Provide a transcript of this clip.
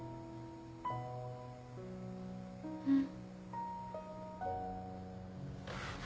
うん。